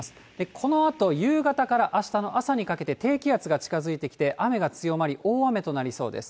このあと、夕方からあしたの朝にかけて、低気圧が近づいてきて、雨が強まり、大雨となりそうです。